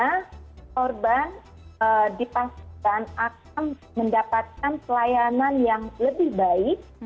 karena korban dipaksakan akan mendapatkan pelayanan yang lebih baik